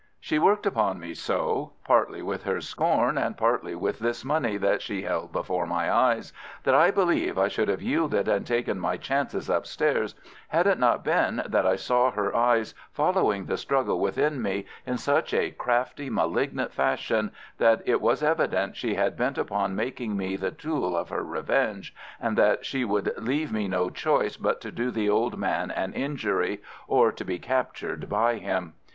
She worked upon me so, partly with her scorn and partly with this money that she held before my eyes, that I believe I should have yielded and taken my chances upstairs, had it not been that I saw her eyes following the struggle within me in such a crafty, malignant fashion, that it was evident she was bent upon making me the tool of her revenge, and that she would leave me no choice but to do the old man an injury or to be captured by him.